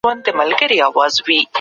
فشار د حافظې ستونزې پیدا کوي.